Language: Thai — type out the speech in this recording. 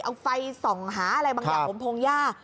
เอาไฟส่องหาอะไรบางอย่างอมทรงยาก